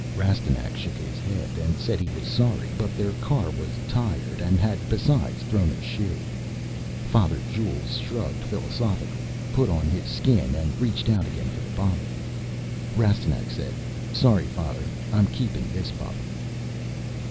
Rastignac shook his head and said he was sorry but their car was tired and had, besides, thrown a shoe. Father Jules shrugged philosophically, put on his Skin and reached out again for the bottle. Rastignac said, "Sorry, Father. I'm keeping this bottle."